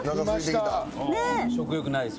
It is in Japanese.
食欲ないです